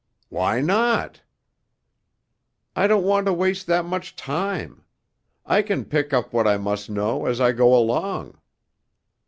"Why not?" "I don't want to waste that much time. I can pick up what I must know as I go along."